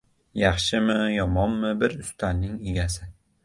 — Yaxshimi-yomonmi, bir ustalning egasi!